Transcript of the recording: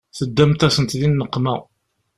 Teddamt-asen di nneqma.